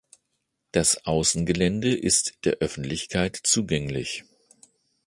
Das Außengelände ist der Öffentlichkeit zugänglich.